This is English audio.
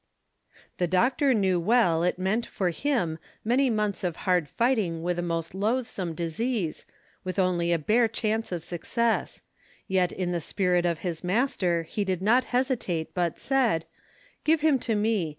The doctor knew well it meant for him many months of hard fighting with a most loathsome disease, with only a bare chance of success, yet in the spirit of his Master he did not hesitate but said, "Give him to me.